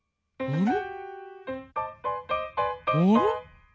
うん。